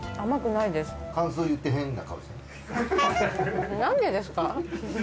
なんでですか？